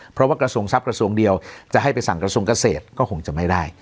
เพราะว่ากระทรวงทรัพย์กระทรวงเดียวจะให้ไปสั่งกระทรวงเกษตรก็คงจะไม่ได้